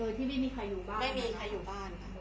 โดยที่ไม่มีใครอยู่บ้าน